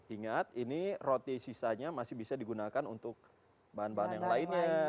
ingat ini roti sisanya masih bisa digunakan untuk bahan bahan yang lainnya